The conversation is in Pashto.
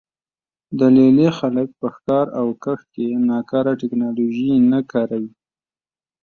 د لې لې خلک په ښکار او کښت کې ناکاره ټکنالوژي نه کاروي